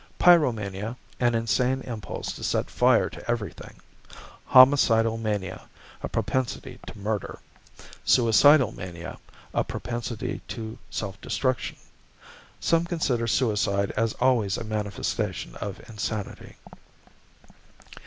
Pyromania, an insane impulse to set fire to everything. Homicidal mania, a propensity to murder. Suicidal mania, a propensity to self destruction. Some consider suicide as always a manifestation of insanity.